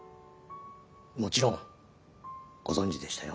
もちろんご存じでしたよ。